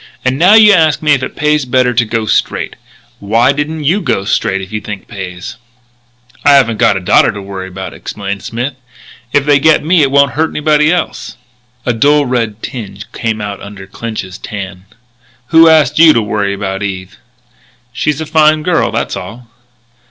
And now you ask me if it pays better to go straight. Why didn't you go straight if you think it pays?" "I haven't got a daughter to worry about," explained Smith. "If they get me it won't hurt anybody else." A dull red tinge came out under Clinch's tan: "Who asked you to worry about Eve?" "She's a fine girl: that's all."